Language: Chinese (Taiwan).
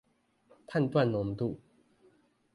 判斷濃度